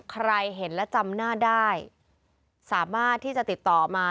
ใครเห็นและจำหน้าได้สามารถที่จะติดต่อมา